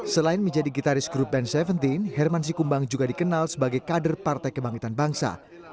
selain menjadi gitaris grup band tujuh belas herman sikumbang juga dikenal sebagai kader partai kebangkitan bangsa